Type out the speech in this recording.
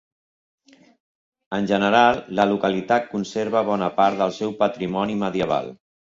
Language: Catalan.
En general la localitat conserva bona part del seu patrimoni medieval.